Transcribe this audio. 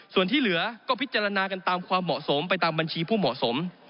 ส่วนที่เหลือก็พิจารณากันตามความเหมาะสมไปตามบัญชีผู้เหมาะสม